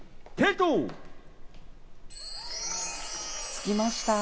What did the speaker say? つきました！